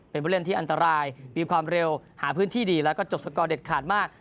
เป็นผู้เล่นที่อันตรายมีความเร็วหาพื้นที่ดีแล้วก็จบสกอร์เด็ดขาดมาก